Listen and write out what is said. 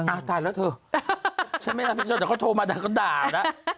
ตายแล้วเธอฉันไม่รับผิดชอบแต่เขาโทรมาด่าเขาด่าแล้ว